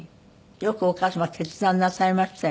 よくお母様決断なさいましたよね。